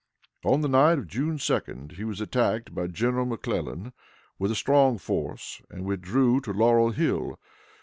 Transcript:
On the night of June 2d he was attacked by General McClellan, with a strong force, and withdrew to Laurel Hill.